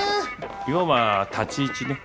要は立ち位置ね。